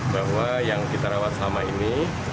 bahwa yang kita rawat selama ini